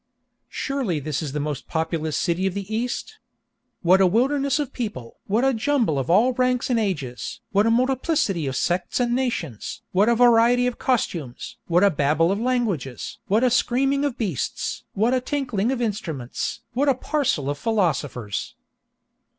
"Surely this is the most populous city of the East! What a wilderness of people! what a jumble of all ranks and ages! what a multiplicity of sects and nations! what a variety of costumes! what a Babel of languages! what a screaming of beasts! what a tinkling of instruments! what a parcel of philosophers!"